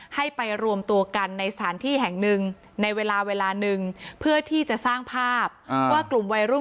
ให้ไปรวมตัวกันในสถานที่แห่งหนึ่งในเวลาเวลาหนึ่งเพื่อที่จะสร้างภาพว่ากลุ่มวัยรุ่น